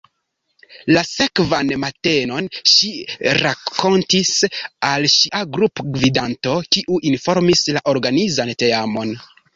La sekvan matenon ŝi rakontis al sia grupgvidanto, kiu informis la organizan teamon.